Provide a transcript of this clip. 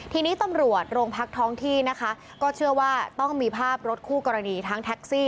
ทีนี้ตำรวจโรงพักท้องที่นะคะก็เชื่อว่าต้องมีภาพรถคู่กรณีทั้งแท็กซี่